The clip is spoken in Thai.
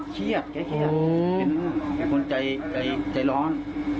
เครียดใจร้อน